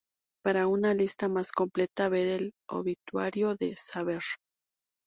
Para una lista más completa, ver el obituario de Seaver.